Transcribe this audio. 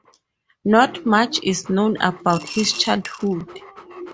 Not much is known about his childhood.